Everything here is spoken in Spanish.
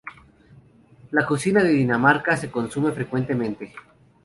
En la cocina de Dinamarca se consume frecuentemente.